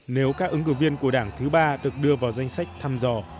nếu các ứng cử viên của đảng thứ ba được đưa vào danh sách thăm dò